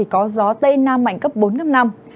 có gió tây nam mạnh cấp bốn cấp năm